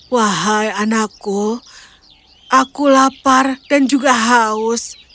wahai anakku aku lapar dan juga haus